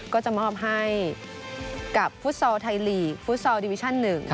ก็จะมอบให้กับฟุตซอลไทยลีกฟุตซอลดิวิชั่น๑